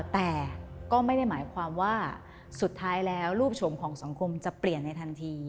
แต่ก็ไม่ได้หมายความว่าสุดท้ายแล้วรูปโฉมของสังคมจะเปลี่ยนในทันที